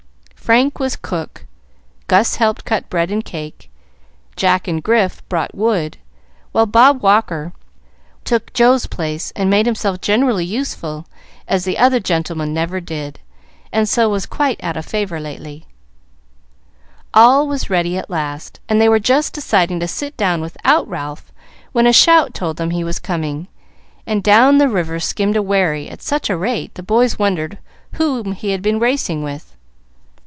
Frank was cook, Gus helped cut bread and cake, Jack and Grif brought wood, while Bob Walker took Joe's place and made himself generally useful, as the other gentleman never did, and so was quite out of favor lately. All was ready at last, and they were just deciding to sit down without Ralph, when a shout told them he was coming, and down the river skimmed a wherry at such a rate the boys wondered whom he had been racing with.